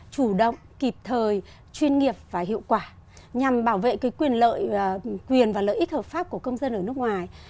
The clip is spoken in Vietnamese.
chủ động kịp thời chuyên nghiệp và hiệu quả nhằm bảo vệ quyền lợi quyền và lợi ích hợp pháp của công dân ở nước ngoài